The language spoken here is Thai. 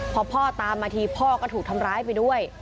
พอพ่อตามมาทีพ่อก็ถูกทำร้ายไปด้วย